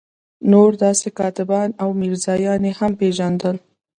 نور داسې کاتبان او میرزایان یې هم پېژندل.